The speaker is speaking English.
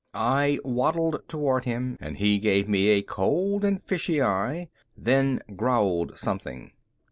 I waddled toward him and he gave me a cold and fishy eye, then growled something.